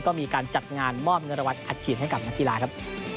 ก็มีการจัดงานมอบเงินรางวัลอัดฉีดให้กับนักกีฬาครับ